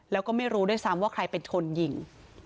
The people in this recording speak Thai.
แล้วก็ไม่รู้ด้วยซ้ำว่าใครเป็นคนยิง